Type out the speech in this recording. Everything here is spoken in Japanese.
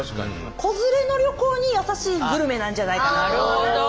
子連れの旅行に優しいグルメなんじゃないかなと。